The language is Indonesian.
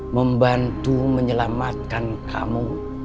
membantu menyelamatkan kamu